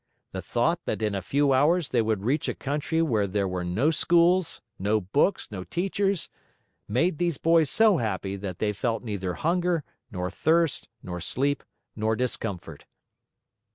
The thought that in a few hours they would reach a country where there were no schools, no books, no teachers, made these boys so happy that they felt neither hunger, nor thirst, nor sleep, nor discomfort.